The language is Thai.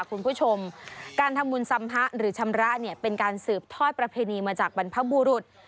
คุณผู้ชมการทำบุญสัมพะหรือชำระเนี่ยเป็นการสืบทอดประเพณีมาจากบรรพบุรุษ